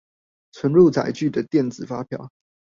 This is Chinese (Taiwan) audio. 存入載具的電子發票